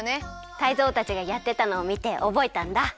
タイゾウたちがやってたのをみておぼえたんだ。